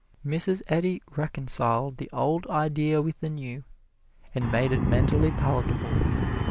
Mrs. Eddy reconciled the old idea with the new and made it mentally palatable.